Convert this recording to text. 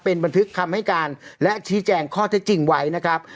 เป็นบันทึกคำให้การและชี้แจงข้อเท็จจริงไว้นะครับ